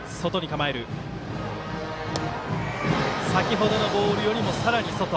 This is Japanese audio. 先ほどのボールよりもさらに外。